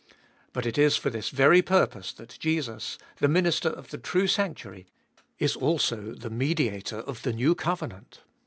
But it is for this very purpose that Jesus, the Minister of the true sanctuary, is also the Mediator of the new covenant.